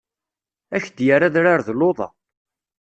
Ad ak-d-yerr adrar d luḍa.